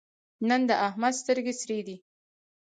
نن د احمد سترګې سرې دي.